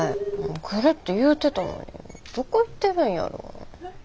来るって言うてたのにどこ行ってるんやろ。